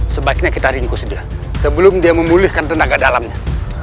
sebaiknya kita ringkus dia sebelum dia memulihkan tenaga dalamnya